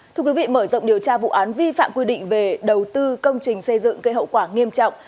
thưa quý vị mở rộng điều tra vụ án vi phạm quy định về đầu tư công trình xây dựng gây hậu quả nghiêm trọng